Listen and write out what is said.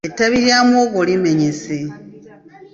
Ettabi lya muwogo limenyese.